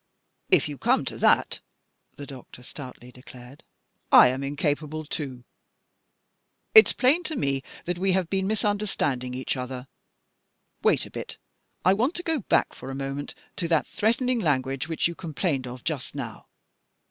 "If you come to that," the doctor stoutly declared, "I am incapable too. It's plain to me that we have been misunderstanding each other. Wait a bit; I want to go back for a moment to that threatening language which you complained of just now.